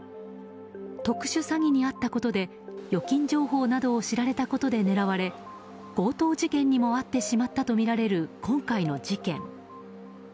特殊詐欺に遭ったことで預金情報を知られたことで狙われ、強盗事件にも遭ってしまったとみられる今回の事件。